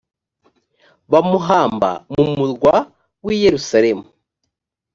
bamuhamba mu murwa w’i yerusalemu